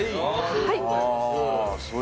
はい。